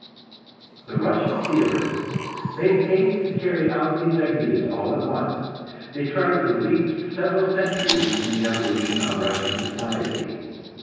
The Russian theorists made haste to carry out these ideas all at once; they tried to leap several centuries in the evolution of Russian society.